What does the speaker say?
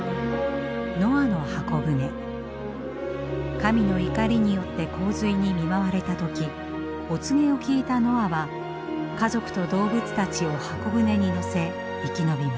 神の怒りによって洪水に見舞われた時お告げを聞いたノアは家族と動物たちを箱舟に乗せ生き延びます。